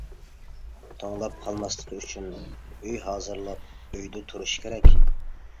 توڭلاپ قالماسلىقى ئۈچۈن ئۆي ھازىرلاپ، ئۆيدە تۇرۇشى كېرەك.